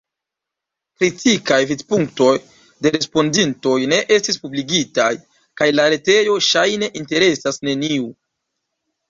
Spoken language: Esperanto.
Kritikaj vidpunktoj de respondintoj ne estis publikigitaj, kaj la retejo ŝajne interesas neniun.